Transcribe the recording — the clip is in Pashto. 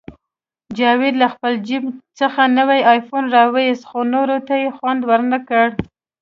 جاوید له خپل جیب څخه نوی آیفون راوویست، خو نورو ته یې خوند ورنکړ